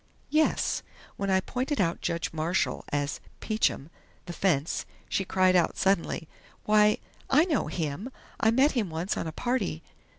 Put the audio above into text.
"Yes. When I pointed out Judge Marshall as 'Peachum', the fence, she cried out suddenly: 'Why, I know him! I met him once on a party....